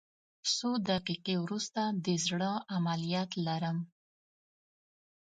څو دقیقې وروسته د زړه عملیات لرم